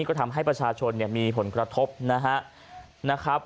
ก็ทำให้ประชาชนมีผลกระทบนะครับ